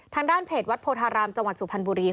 ทางด้านเพจวัดโพธารามจังหวัดสุพรรณบุรี